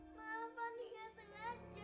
maaf anjing nggak sengaja